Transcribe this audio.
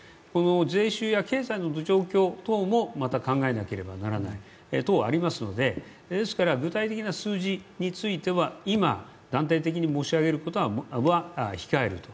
税収や経済の状況等もまた考えなければならない等ありますのでですから具体的な数字については今、断定的に申し上げることは控えると。